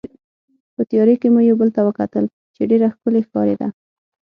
په تیارې کې مو یو بل ته وکتل چې ډېره ښکلې ښکارېده.